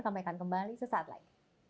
kami akan kembali sesaat lagi